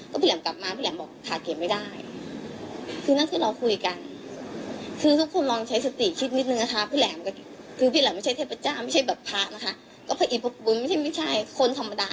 ก็เผยิกพระปุริบุริหรือไม่ใช่ประปุ่นคนธรรมดา